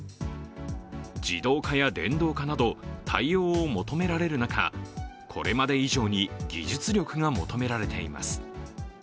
自動化や電動化など、対応を求められる中、これまで以上に技術力が求められています。